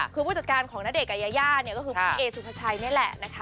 คือผู้จัดการของณเดชน์กับยาย่าเนี่ยก็คือพี่เอสุภาชัยนี่แหละนะคะ